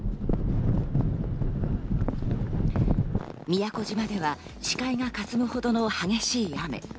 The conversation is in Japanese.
宮古島では視界がかすむほどの激しい雨。